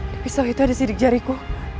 di pisau itu ada sidik jariku